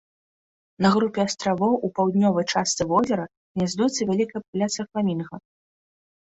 На групе астравоў у паўднёвай частцы возера гняздуецца вялікая папуляцыя фламінга.